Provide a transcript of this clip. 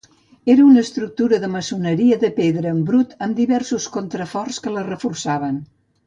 Era una estructura de maçoneria de pedra en brut amb diversos contraforts que la reforçaven.